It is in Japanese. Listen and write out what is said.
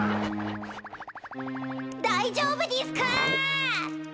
大丈夫でぃすか！？